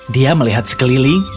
dia melihat sekeliling